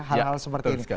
ya betul sekali